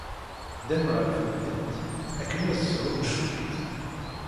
Ddan ɣer temdint akken ad zhun cwiṭ.